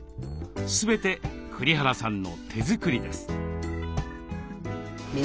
全て栗原さんの手作りです。